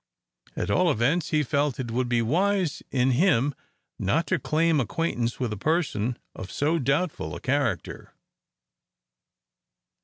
At all events, he felt it would be wise in him not to claim acquaintance with a person of so doubtful a character.